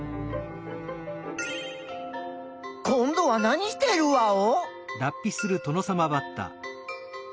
今どは何してるワオ？